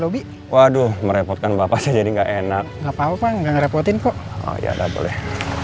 lobby waduh merepotkan bapak jadi enak enggak papa nggak ngerepotin kok ya udah boleh